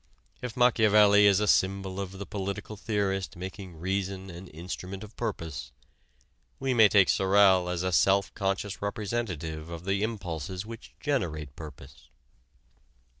If Machiavelli is a symbol of the political theorist making reason an instrument of purpose, we may take Sorel as a self conscious representative of the impulses which generate purpose.